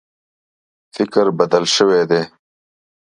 فکر بدل شوی دی.